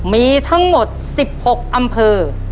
มีทั้งหมด๑๖อำเภอ